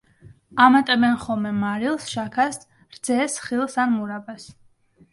ამატებენ ხოლმე მარილს, შაქარს, რძეს, ხილს ან მურაბას.